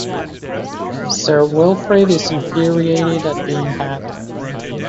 Sir Wilfrid is infuriated at being had.